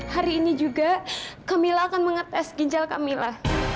hari ini juga kamila akan mengetes ginjal kamila